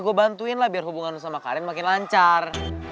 gue bantuin lah biar hubungan sama karin makin lancar